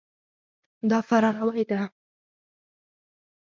دا فراروی ده.